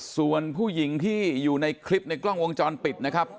ส่วนผู้หญิงที่อยู่ในคลิปในกล้องวงจรปิดนะครับ